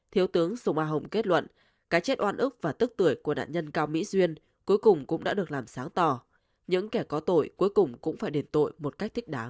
thiếu tướng sùng a hồng kết luận cái chết oan ức và tức tuổi của đạn nhân cao mỹ duyên cuối cùng cũng đã được làm sáng tỏ những kẻ có tội cuối cùng cũng phải đền tội một cách thích đáng